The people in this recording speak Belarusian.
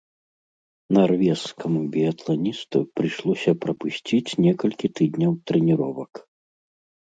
Нарвежскаму біятланісту прыйшлося прапусціць некалькі тыдняў трэніровак.